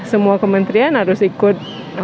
semua kementerian harus ikut